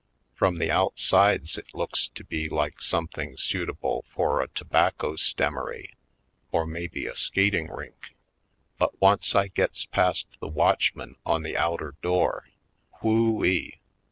From the outsides it looks to be like something suitable for a tobacco stemmery or maybe a skating rink, but once I gets past the watchman on the outer door — Who ee!